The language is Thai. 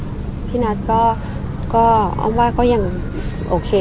ค่ะพี่นัทโอเคนะพี่นัทก็อ้อมว่าก็ยังโอเค